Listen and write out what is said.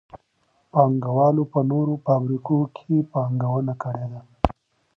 پانګوالو په نوو فابريکو کي پانګونه کړي ده.